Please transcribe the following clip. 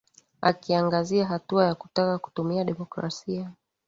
akiangazia hatua ya kutaka kutumia demokrasia